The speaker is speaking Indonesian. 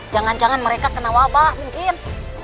jangan jangan mereka kena wabah mungkin